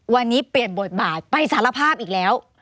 วันนี้เปลี่ยนบทบาทไปสารภาพอีกแล้ว